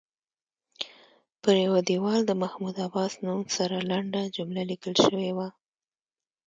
پر یوه دیوال د محمود عباس نوم سره لنډه جمله لیکل شوې وه.